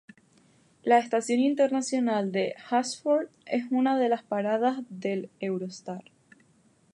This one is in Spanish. La Estación Internacional de Ashford es una de las paradas del Eurostar.